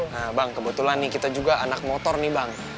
nah bang kebetulan nih kita juga anak motor nih bang